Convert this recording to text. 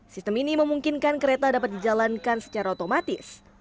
sistem ini memungkinkan kereta dapat dijalankan secara otomatis